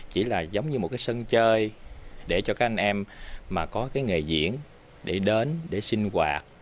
chỉ là giống như một cái sân chơi để cho các anh em mà có cái nghề diễn để đến để sinh hoạt